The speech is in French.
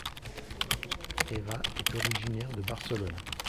Eva est originaire de Barcelone.